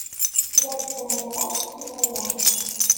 La d-ttnadiɣ asefk i baba.